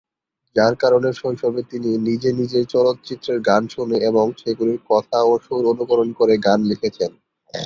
যার কারণে শৈশবে তিনি নিজে নিজে চলচ্চিত্রের গান শুনে এবং সেগুলির কথা ও সুর অনুকরণ করে গান শিখেছেন।